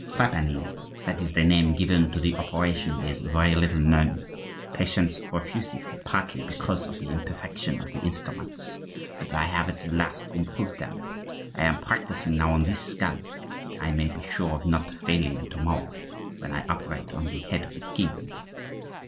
Trepanning—that is the name given to the operation—is very little known. Patients refuse it, partly because of the imperfection of the instruments; but I have at last improved them. I am practising now on this skull, that I may be sure of not failing to morrow, when I operate on the head of the king."